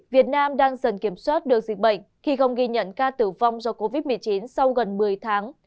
việt nam đang dần kiểm soát được dịch bệnh khi không ghi nhận ca tử vong do covid một mươi chín sau gần một mươi tháng